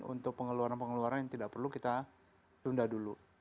untuk pengeluaran pengeluaran yang tidak perlu kita tunda dulu